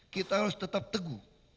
kita harus tetap teguh